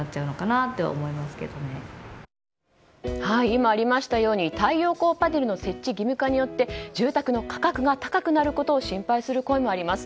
今、ありましたように太陽光パネルの設置義務化によって住宅の価格が高くなることを心配する声もあります。